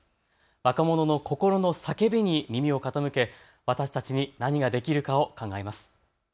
若者の心の叫びに耳を傾け私たちに何ができるかを考えます。